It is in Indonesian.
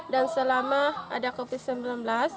dan selama ada covid sembilan belas